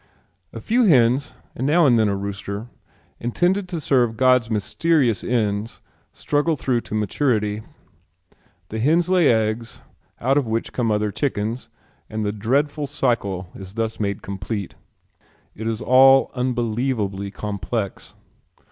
A few hens, and now and then a rooster, intended to serve God's mysterious ends, struggle through to maturity. The hens lay eggs out of which come other chickens and the dreadful cycle is thus made complete. It is all unbelievably complex.